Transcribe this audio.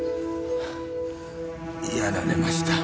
やられました。